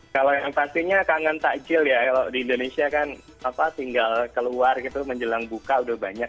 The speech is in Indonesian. kalau yang pastinya kangen takjil ya kalau di indonesia kan tinggal keluar gitu menjelang buka udah banyak